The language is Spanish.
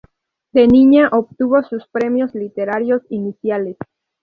De niña obtuvo sus premios literarios iniciales.